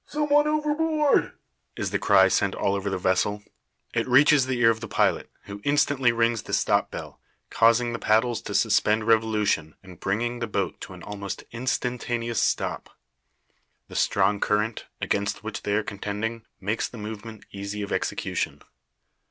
"Some one overboard!" is the cry sent all over the vessel. It reaches the ear of the pilot; who instantly rings the stop bell, causing the paddles to suspend revolution, and bringing the boat to an almost instantaneous stop. The strong current, against which they are contending, makes the movement easy of execution.